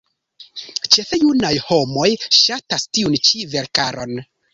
Ĉefe junaj homoj ŝatas tiun ĉi verkaron.